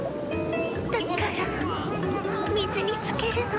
だから水につけるの。